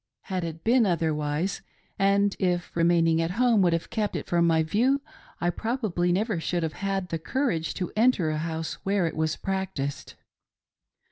Had PREPARING TO START AFRESH. 345 it been otherwise, and if remaining at home would have kept it from my view, I probably never should have had the cour age to enter a house where it was practiced.